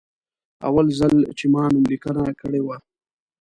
اول ځل چې ما نوملیکنه کړې وه.